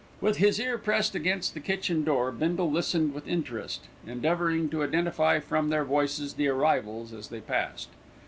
With his ear pressed against the kitchen door, Bindle listened with interest, endeavouring to identify from their voices the arrivals as they passed.